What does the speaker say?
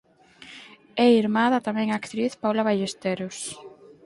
É irmá da tamén actriz Paula Ballesteros.